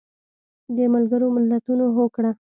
د ملګرو ملتونو هوکړه